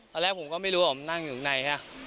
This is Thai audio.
ตอนแรกผมก็ไม่รู้ว่าผมนั่งอยู่ข้างใน